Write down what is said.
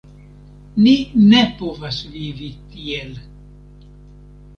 Ni ne povas vivi tiel.